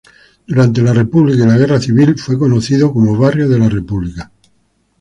Durante la República y la Guerra Civil fue conocido como Barrio de la República.